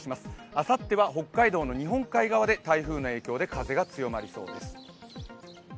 あさっては北海道の日本海側で台風の影響で風が強まりそうです。